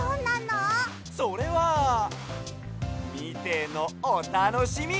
それはみてのおたのしみ！